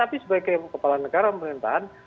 tapi sebagai kepala negara pemerintahan